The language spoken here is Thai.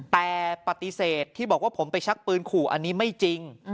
แต่ปฏิเสธที่บอกว่าผมไปชักปืนขู่อันนี้ไม่จริง